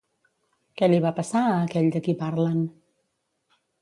Què li va passar a aquell de qui parlen?